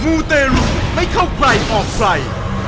มูตรหญิงไม่เข้าใกล้ออกใส่